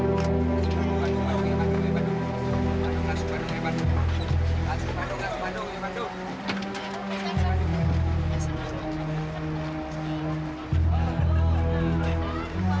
kita pulang juga